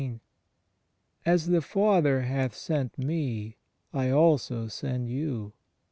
As the Father hath sent Me, I also send you.